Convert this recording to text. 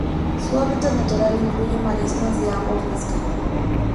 Su hábitat natural incluye marismas de agua fresca.